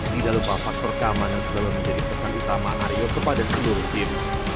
tidak lupa faktor keamanan selalu menjadi pesan utama mario kepada seluruh tim